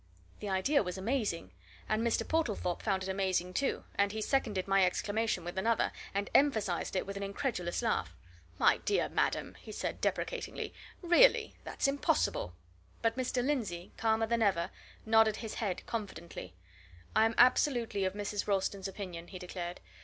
The idea was amazing and Mr. Portlethorpe found it amazing, too, and he seconded my exclamation with another, and emphasized it with an incredulous laugh. "My dear madam!" he said deprecatingly. "Really! That's impossible!" But Mr. Lindsey, calmer than ever, nodded his head confidently. "I'm absolutely of Mrs. Ralston's opinion," he declared.